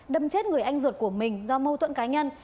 đâm chết người anh ruột của mình do mâu thuẫn cá nhân